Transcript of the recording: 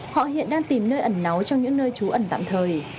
họ hiện đang tìm nơi ẩn náu trong những nơi trú ẩn tạm thời